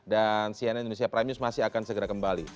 dan cnn indonesia prime news masih akan segera kembali